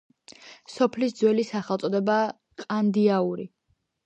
სოფლის ძველი სახელწოდებაა ყანდიაური.